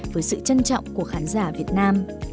với sự trân trọng của khán giả việt nam